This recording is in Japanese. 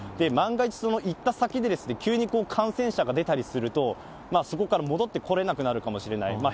万が一、行った先で急に感染者が出たりすると、そこから戻ってこれなくなるかもしれない。